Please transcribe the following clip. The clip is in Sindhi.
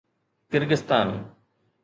ڪرغستان